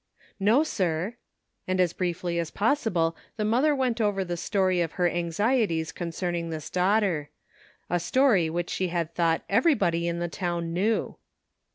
" "No, sir;" and as briefly as possible the mother went over the story of her anxieties concerning this daughter — a story which she had thought everybody in the town knew.